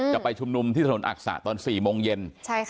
จะไปชุมนุมที่ถนนอักษะตอน๔โมงเย็น